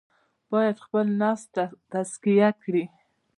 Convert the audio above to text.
باید خپل نفس تزکیه کړي.